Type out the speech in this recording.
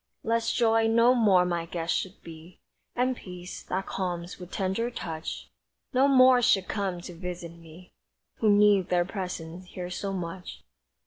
Lest joy no more my guest should be, And peace, that calms with tender touch, No more should come to visit me, Who need their presence here so much.